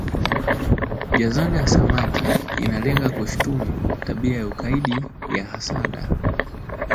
Jazanda ya samaki inalenga kushutumu tabia ya ukaidi ya Hasada